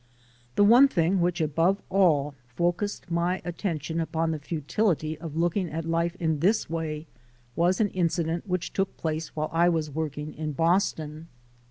The one tiling which above all else focused my attention upon the futility of looking at life in this way, was an incident which took place while I was working in Boston.